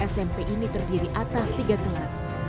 smp ini terdiri atas tiga kelas